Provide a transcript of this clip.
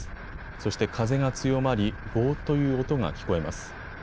そして風が強まりゴーという音が聞こえます。